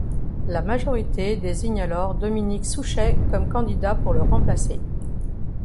La majorité désigne alors Dominique Souchet comme candidat pour le remplacer.